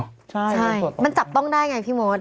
ใช่มันจับต้องได้ไงพี่มด